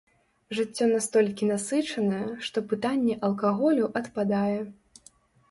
Жыццё настолькі насычанае, што пытанне алкаголю адпадае.